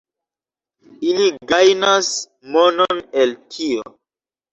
Ili gajnas monon el tio.